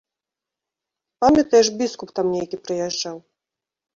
Памятаеш, біскуп там нейкі прыязджаў?